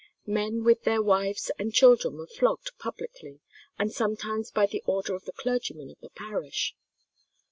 Men with their wives and children were flogged publicly, and sometimes by the order of the clergyman of the parish.